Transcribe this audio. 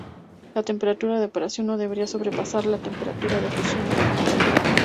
La temperatura de operación no debería sobrepasar la temperatura de fusión del combustible.